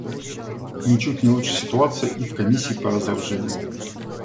Ничуть не лучше ситуация и в Комиссии по разоружению.